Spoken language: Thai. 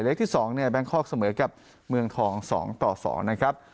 เล็กที่๒แบงคอร์กเสมอกับเมืองทอง๒๒นะครับ